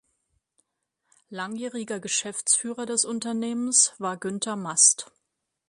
Langjähriger Geschäftsführer des Unternehmens war Günter Mast.